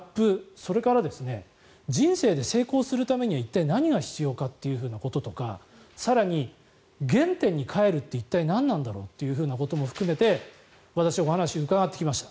それから人生で成功するためには一体何が必要かっていうこととか更に、原点に返るって一体何なんだろうということも含めて私、お話を伺ってきました。